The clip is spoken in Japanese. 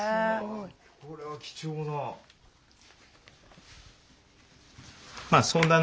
これは貴重な。